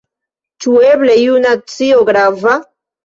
Ĉu eble iu nacio grava?